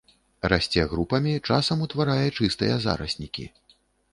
Расце групамі, часам утварае чыстыя зараснікі.